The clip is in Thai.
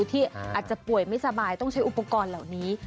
ที่อาจจะป่วยไม่สบายต้องใช้อุปกรณ์เหล่านี้